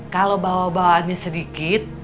kalau bawa bawaannya sedikit